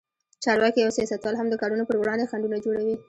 چارواکي او سیاستوال هم د کارونو پر وړاندې خنډونه جوړوي.